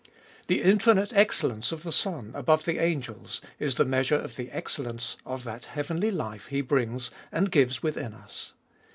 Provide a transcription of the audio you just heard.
The infinite excellence of the Son above the angels is the measure of the excellence of that heavenly life He brings and gives within us.